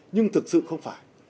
nhưng thực sự không phải